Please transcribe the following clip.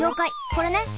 これね。